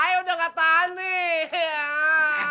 ayo udah gak tahan nih